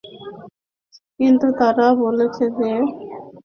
কিন্তু তাঁহারা বলেন যে, অজ্ঞান জীবের স্বরূপ আবৃত করিয়া রাখে।